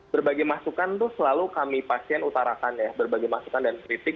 berbagai masukan itu selalu kami pasien utarakan ya berbagai masukan dan kritik